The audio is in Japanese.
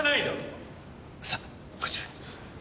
さこちらへ。